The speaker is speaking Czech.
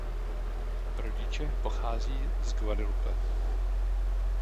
Rodiče pochází z Guadeloupe.